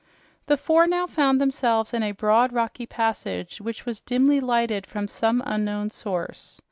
The four now found themselves in a broad, rocky passage, which was dimly lighted from some unknown source.